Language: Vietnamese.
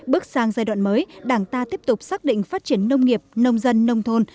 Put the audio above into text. bước sang giai đoạn mới đảng ta tiếp tục xác định phát triển nông nghiệp nông dân nông thôn